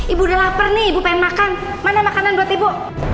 ibu udah lapar nih ibu pengen makan mana makanan buat ibu